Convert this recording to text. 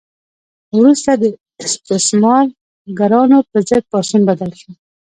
وروسته د استثمارګرانو په ضد پاڅون بدل شو.